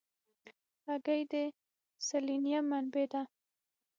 هګۍ د سلینیم منبع ده.